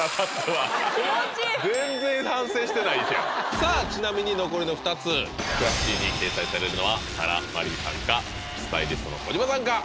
さあちなみに残りの２つ「ＣＬＡＳＳＹ．」に掲載されるのは紗羅マリーさんかスタイリストの児嶋さんか？